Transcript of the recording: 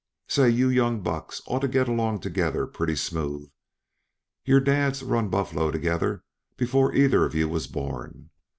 Say, you young bucks ought to get along together pretty smooth. Your dads run buffalo together before either of yuh was born.